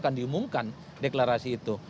karena kan diumumkan deklarasi itu